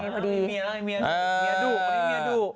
มีเมียดุ